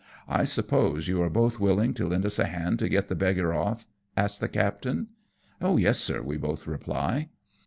I suppose you are hoth willing to lend us a hand to get the beggar off?" asks the captain. " Yes, sir," we both reply.